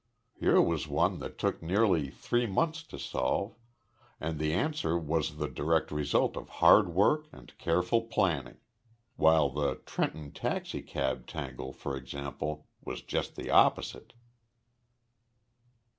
Here was one that took nearly three months to solve, and the answer was the direct result of hard work and careful planning while the Trenton taxicab tangle, for example, was just the opposite!"